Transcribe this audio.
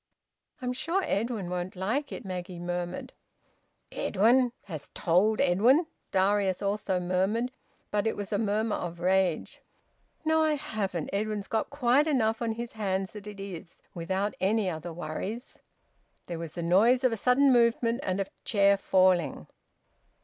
"I'm sure Edwin won't like it," Maggie murmured. "Edwin! Hast told Edwin?" Darius also murmured, but it was a murmur of rage. "No, I haven't. Edwin's got quite enough on his hands as it is, without any other worries." There was the noise of a sudden movement, and of a chair falling.